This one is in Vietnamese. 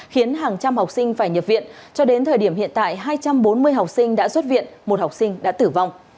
khiến hàng trăm học sinh phải nhập viện cho đến thời điểm hiện tại hai trăm bốn mươi học sinh đã xuất viện một học sinh đã tử vong